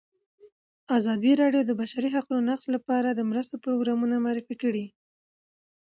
ازادي راډیو د د بشري حقونو نقض لپاره د مرستو پروګرامونه معرفي کړي.